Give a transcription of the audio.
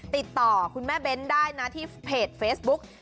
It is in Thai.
ติดต่อคุณแม่เบ้นได้นะที่เพจเฟซบุ๊ก